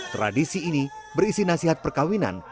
tradisi ini berisi nasihat perkawinan